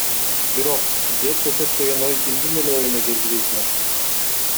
Бирок, жер көчөт деген ой кимдин эле оюна келди дейсиңер.